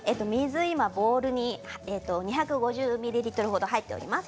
ボウルにお水が２５０ミリリットル程入っています。